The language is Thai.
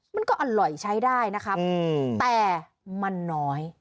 มันก็อร่อยใช้ได้นะครับแต่มันน้อย